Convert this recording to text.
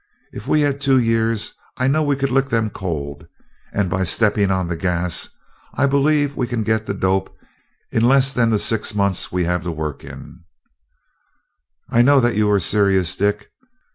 If we had two years, I know that we could lick them cold; and by stepping on the gas I believe we can get the dope in less than the six months we have to work in." "I know that you are serious, Dick.